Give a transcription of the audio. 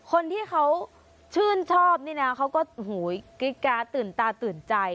คนที่เขาชื่นชอบนี่น่ะเขาก็หูยกริ๊กกาตื่นตาตื่นใจ